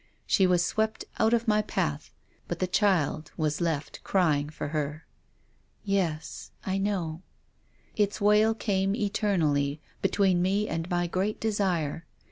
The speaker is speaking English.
She was swept out of my path. But the child was left crying for her." " Yes. I know." " Its wail came eternally between me and my great desire.